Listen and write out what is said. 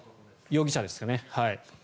容疑者ですかね。